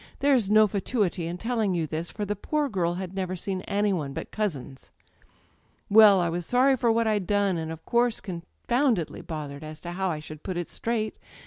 There's no fatuity in telling you this, for the poor girl had never seen any one but cousins ... "Well, I was sorry for what I*d done, of course, and confoundedly bothered as to how I should put it straight.